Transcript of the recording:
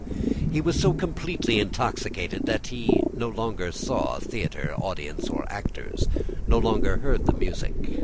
"He was so completely intoxicated that he no longer saw theatre, audience, or actors, no longer heard the music.